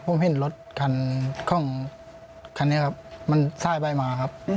ผมเห็นรถคันของคันนี้ครับมันซ้ายไปมาครับ